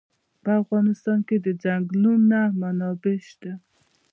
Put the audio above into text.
په افغانستان کې د ځنګلونه منابع شته.